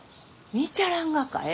見ちゃらんがかえ？